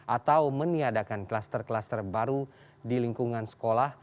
atau meniadakan kluster kluster baru di lingkungan sekolah